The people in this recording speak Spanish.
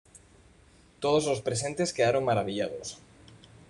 Todos los presentes quedaron maravillados.